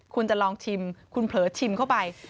คุณจะลองชิมคุณเผลอชิมเข้าไป